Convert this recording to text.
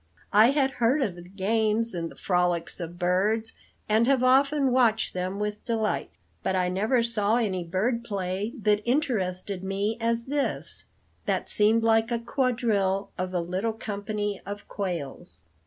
I had heard of the games and the frolics of birds and have often watched them with delight, but I never saw any bird play that interested me as this, that seemed like a quadrille of a little company of quails.